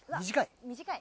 短い？